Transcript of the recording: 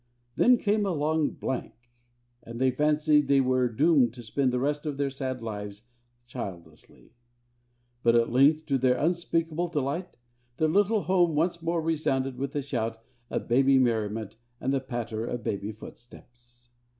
Then came a long blank; and they fancied they were doomed to spend the rest of their sad lives childlessly. But, at length, to their unspeakable delight, their little home once more resounded with the shout of baby merriment and the patter of baby footsteps.